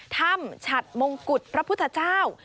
ฉัดมงกุฎพระพุทธเจ้า